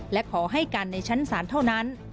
และขอให้กันในชั้นศาลเท่านั้น